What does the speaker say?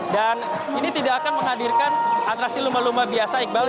dan ini tidak akan menghadirkan atraksi lumba lumba biasa iqbal